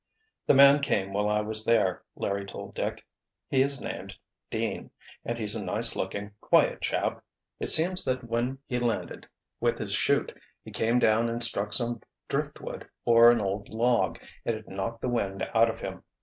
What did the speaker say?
"The man came while I was there," Larry told Dick. "He is named Deane, and he's a nice looking, quiet chap. It seems that when he landed with his 'chute, he came down and struck some driftwood or an old log, and it knocked the wind out of him.